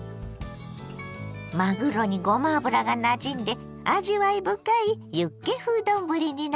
まぐろにごま油がなじんで味わい深いユッケ風丼になりました。